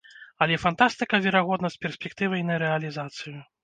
Але фантастыка, верагодна, з перспектывай на рэалізацыю.